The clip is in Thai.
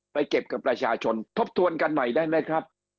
ไปเก็บกับประชาชนทบทวนกันใหม่ได้ไหมครับ